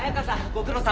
ご苦労さま。